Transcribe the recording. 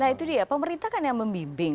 nah itu dia pemerintah kan yang membimbing